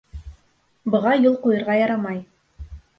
Быға юл ҡуйырға ярамай.